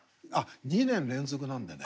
２年連続なんでね